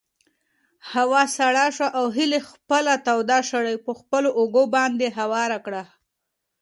هوا سړه شوه او هیلې خپله توده شړۍ په خپلو اوږو باندې هواره کړه.